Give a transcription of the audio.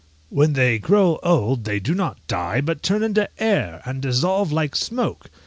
When they grow old they do not die, but turn into air, and dissolve like smoke!